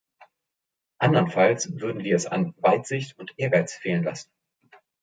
Andernfalls würden wir es an Weitsicht und Ehrgeiz fehlen lassen.